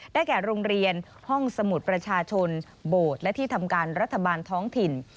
แก่โรงเรียนห้องสมุดประชาชนโบสถ์และที่ทำการรัฐบาลท้องถิ่น